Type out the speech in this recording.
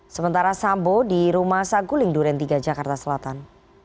sementara sambo di rumah saguling duren tiga jakarta selatan